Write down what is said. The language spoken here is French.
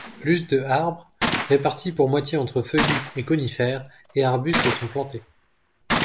Plus de arbres, répartis pour moitié entre feuillus et conifères, et arbustes sont plantés.